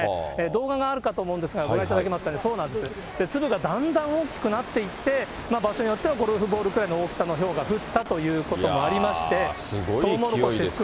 動画があるかと思うんですが、ご覧いただけますかね、粒がだんだん大きくなっていって、場所によってはゴルフボールぐらいの大きさのひょうが降ったといすごい勢いですよね。